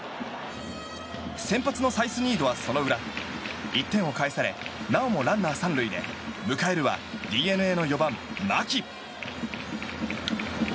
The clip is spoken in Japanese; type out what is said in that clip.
先発のサイスニードは、その裏１点を返されなおもランナー３塁で迎えるはＤｅＮＡの４番、牧。